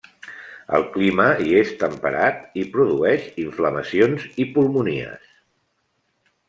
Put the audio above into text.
El clima hi és temperat, i produeix inflamacions i pulmonies.